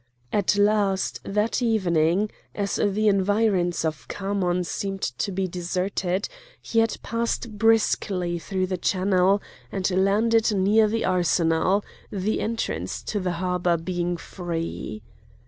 At last, that evening, as the environs of Khamon seemed to be deserted, he had passed briskly through the channel and landed near the arsenal, the entrance to the harbour being free.